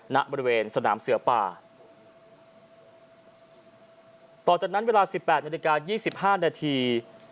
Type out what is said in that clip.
ณบริเวณสนามเสือป่าต่อจากนั้นเวลาสิบแปดนาฬิกายี่สิบห้านาที